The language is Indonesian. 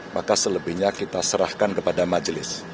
maka selebihnya kita serahkan kepada majelis